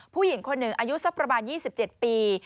ผู้หญิงคนหนึ่งอายุสักประมาณ๒๗ปี